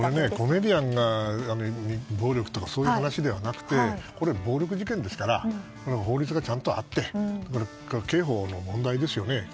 コメディアンが暴力とかそういう話ではなくてこれは暴力事件ですから法律がちゃんとあって刑法の問題ですよね。